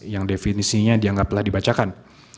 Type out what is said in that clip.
yang definisinya dianggaplah dibacakan